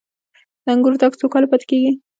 د انګورو تاک څو کاله پاتې کیږي؟